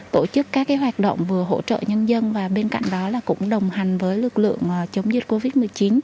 tổ chức các hoạt động vừa hỗ trợ nhân dân và bên cạnh đó là cũng đồng hành với lực lượng chống dịch covid một mươi chín